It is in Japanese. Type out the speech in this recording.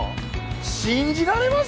信じられます？